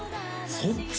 そっち？